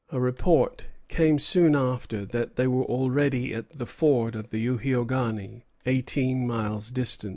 A report came soon after that they were already at the ford of the Youghiogany, eighteen miles distant.